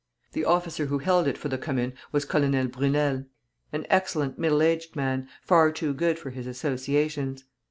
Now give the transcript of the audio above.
The officer who held it for the Commune was Colonel Brunei, an excellent middle aged man, far too good for his associations.